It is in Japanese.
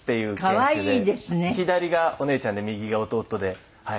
左がお姉ちゃんで右が弟ではい。